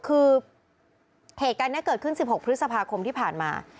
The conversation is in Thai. คือเหตุการณ์นี้เกิดขึ้น๑๖พฤษภาคมที่ผ่านมา